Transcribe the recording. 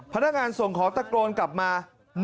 พนักงานส่งของตะโกนกลับมา